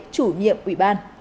chủ nhiệm ủy ban